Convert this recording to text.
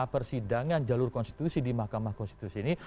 persidangan jalur konstitusi di mahkamah konstitusi ini